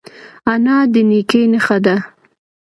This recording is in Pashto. انا د نیکۍ نښه ده